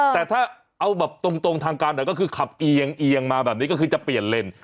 แต่ถ้าเอาแบบตรงทางการหน่อยก็คือขับเอียงเอียงมาแบบนี้ก็คือจะเปลี่ยนเลน